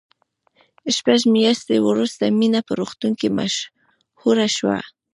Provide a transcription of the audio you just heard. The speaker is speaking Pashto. شپږ میاشتې وروسته مینه په روغتون کې مشهوره شوه